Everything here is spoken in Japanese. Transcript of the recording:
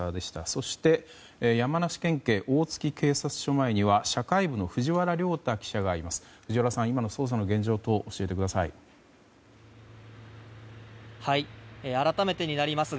そして山梨県警大月警察署前には社会部の藤原良太記者がいます。